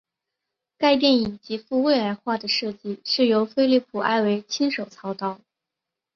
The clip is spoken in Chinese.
该电影极富未来化的设计是由菲利普埃维亲手操刀。